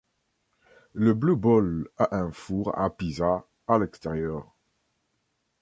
Le Blue Ball a un four à pizza à l’extérieur.